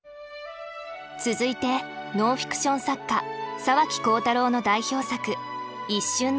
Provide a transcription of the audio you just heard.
続いてノンフィクション作家沢木耕太郎の代表作「一瞬の夏」。